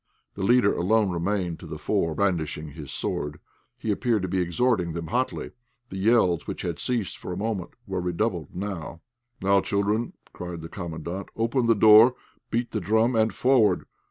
The leader alone remained to the fore, brandishing his sword; he appeared to be exhorting them hotly. The yells which had ceased for a moment were redoubled anew. "Now, children," cried the Commandant, "open the door, beat the drum, and forward!